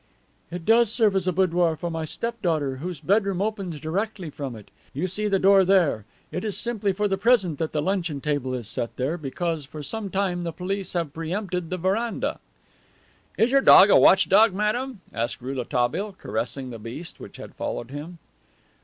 "It does serve as a boudoir for my step daughter, whose bedroom opens directly from it; you see the door there. It is simply for the present that the luncheon table is set there, because for some time the police have pre empted the veranda." "Is your dog a watch dog, madame?" asked Rouletabille, caressing the beast, which had followed him.